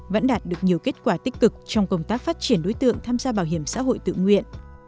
vẫn đạt được nhiều kết quả tích cực trong công tác phát triển đối tượng tham gia bảo hiểm xã hội tự nguyện